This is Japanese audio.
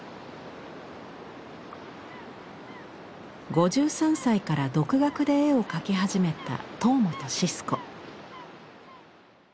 ５３歳から独学で絵を描き始めた塔本シスコ。